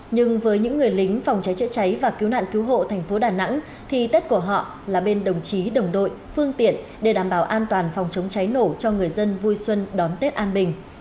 nhưng với những người lính phòng cháy chữa cháy và cứu nạn cứu hộ thành phố đà nẵng thì tết của họ là bên đồng chí đồng đội phương tiện để đảm bảo an toàn phòng chống cháy nổ cho người dân vui xuân đón tết an bình